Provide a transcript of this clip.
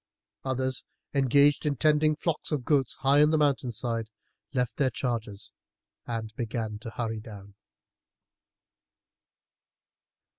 Others, engaged in tending flocks of goats high up on the mountain side, left their charges and began to hurry down.